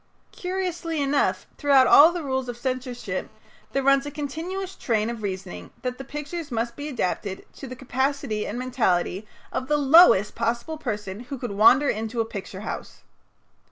Curiously enough, throughout all the rules of censorship there runs a continuous train of reasoning that the pictures must be adapted to the capacity and mentality of the lowest possible person who could wander into a picture house.